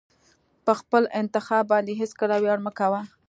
په خپل انتخاب باندې هېڅکله ویاړ مه کوه.